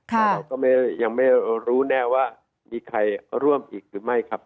แต่เราก็ยังไม่รู้แน่ว่ามีใครร่วมอีกหรือไม่ครับ